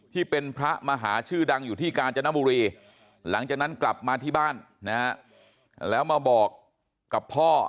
ที่เป็นพระมหาชื่อดังอยู่ที่กาญจนบุรีหลังจากนั้นกลับมาที่บ้านนะฮะแล้วมาบอกกับพ่อ